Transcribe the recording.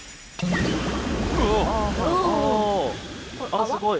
ああすごい！